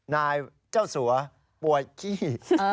นายเจ้าสัวร์ปวดขี้